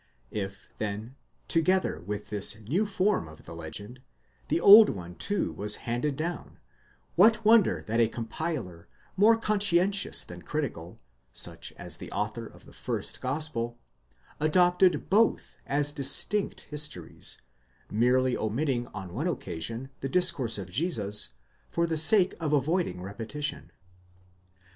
If then, together with this new form of the legend, the old one too was handed down, what wonder that a compiler, more conscientious than critical, such as the author of the first gos pel, adopted both as distinct histories, merely omitting on one occasion the discourse of Jesus, for the sake of avoiding repetition."